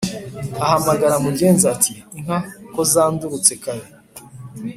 Ahamagara mugenza ati"inka kozandurutse kare?"